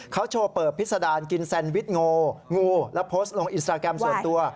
เขาโชว์เปิดพิษดารกินแซนวิชโงงูแล้วโพสต์ลงอินสตราแกรมส่วนตัว